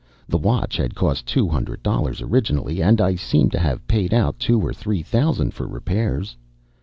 The watch had cost two hundred dollars originally, and I seemed to have paid out two or three thousand for repairs.